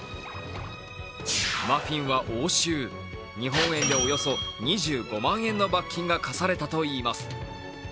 マフィンは押収、日本円でおよそ２５万円の罰金が科されたといいます。